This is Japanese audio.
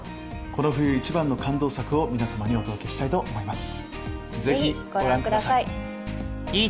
この冬一番の感動作を皆様にお届けしたいと思います。